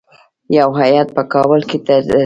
یو هیات به کابل ته درسي.